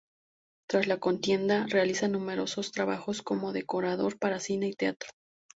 Tras la contienda, realiza numerosos trabajos como decorador para cine y teatro.